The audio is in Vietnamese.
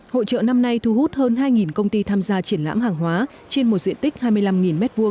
hội trợ năm nay thu hút hơn hai công ty tham gia triển lãm hàng hóa trên một diện tích hai mươi năm m hai